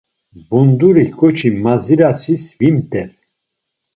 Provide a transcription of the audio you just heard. Bunduri ǩoçi mazirasis vimt̆er.